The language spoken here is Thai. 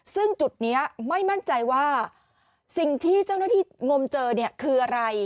ซึ่งจุดนี้ไม่มั่นใจว่าสิ่งที่เจ้าหน้าที่งมเจอเนี่ยคืออะไร